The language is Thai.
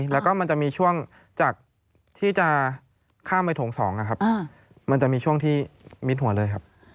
แล้วก็มันจะมีช่วงจากที่จะข้ามไปโถง๒นะครับมันจะมีช่วงที่มิดหัวเลยครับ